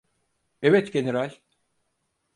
Evet, General.